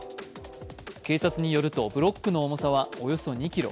警察によるとブロックの重さはおよそ２ｋｇ。